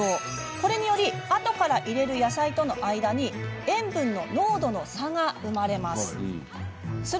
これによりあとから入れる野菜との間に塩分の濃度の差が生まれます。